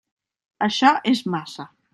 Això és massa.